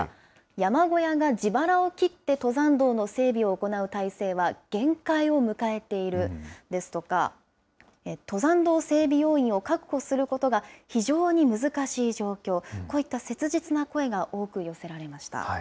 山小屋が自腹を切って登山道の整備を行う体制は限界を迎えているですとか、登山道整備要員を確保することが非常に難しい状況、こういった切実な声が多く寄せられました。